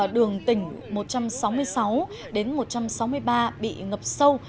đường tỉnh một trăm sáu mươi sáu đến một trăm sáu mươi ba bị ngập sâu